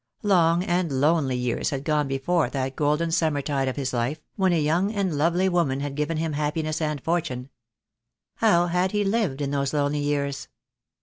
Long and lonely years had gone before that golden summertide of his life, when a young and lovely woman had given him happiness and fortune. How had he lived in those lonely years?